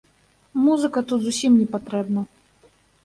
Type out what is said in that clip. Музыка тут зусім не патрэбна.